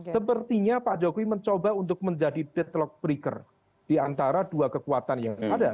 sepertinya pak jokowi mencoba untuk menjadi deadlock breaker di antara dua kekuatan yang ada